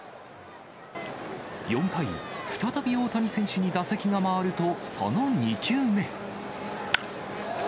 ４回、再び大谷選手に打席が回ると、その２球目。